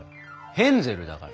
ヘンゼルだから。